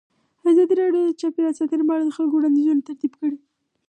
ازادي راډیو د چاپیریال ساتنه په اړه د خلکو وړاندیزونه ترتیب کړي.